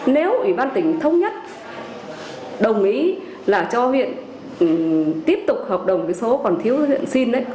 nếu ủy ban tỉnh thống nhất đồng ý là cho huyện tiếp tục hợp đồng cái số còn thiếu huyện xin